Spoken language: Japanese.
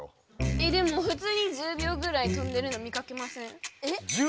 えでもふつうに１０秒ぐらいとんでるの見かけません？